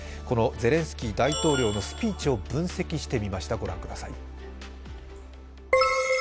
このゼレンスキー大統領のスピーチを分析してみました。